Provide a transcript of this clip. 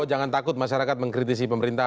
oh jangan takut masyarakat mengkritisi pemerintahan